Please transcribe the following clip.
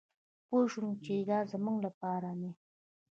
پوه شوم چې دا زمونږ لپاره دي.